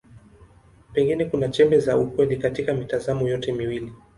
Pengine kuna chembe za ukweli katika mitazamo yote miwili.